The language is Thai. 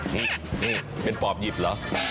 นี่นี่เป็นปอบหยิบเหรอ